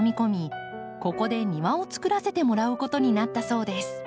ここで庭をつくらせてもらうことになったそうです。